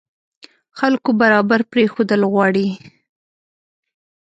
خلکو برابر پرېښودل غواړي.